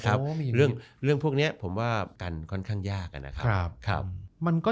มาแล้วน่าจะเป็นฝันร้ายของร้านอาหารหลายร้าน